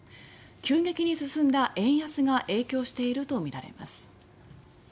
急激に進んだ円安が影響しているとみられます。